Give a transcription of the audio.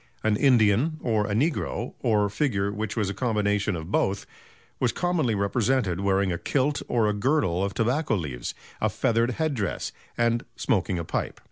An "Indian" or a "Negro" or a figure which was a combination of both, was commonly represented wearing a kilt or a girdle of tobacco leaves, a feathered head dress, and smoking a pipe.